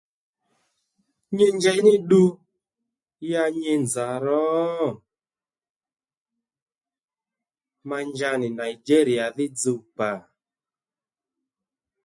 Nyi njey ní ddu ya nyi nzà ro? Ma nja nì Nigeria dhí dzuw-kpà